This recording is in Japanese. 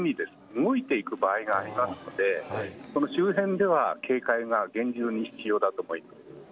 動いていく場合がありますのでその周辺では警戒は厳重に必要だと思います。